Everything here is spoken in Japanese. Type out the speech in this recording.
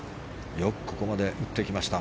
よくここまで打ってきました。